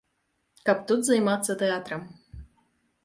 Каб тут займацца тэатрам.